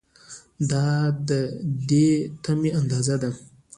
دا د دې تمې اندازه ده.